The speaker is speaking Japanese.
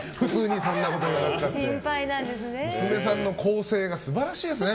娘さんの構成が素晴らしいですね。